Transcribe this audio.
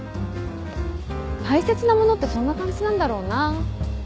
大切なものってそんな感じなんだろうな。